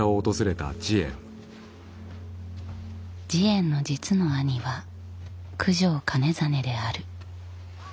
慈円の実の兄は九条兼実である。